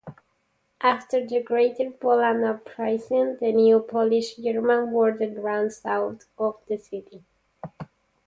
After the Greater Poland Uprising, the new Polish-German border ran south of the city.